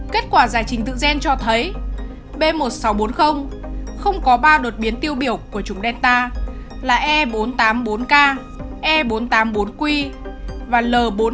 kết quả giải trình tự gen cho thấy b một nghìn sáu trăm bốn mươi không có ba đột biến tiêu biểu của chúng delta là e bốn trăm tám mươi bốn k e bốn trăm tám mươi bốn q và l bốn trăm tám mươi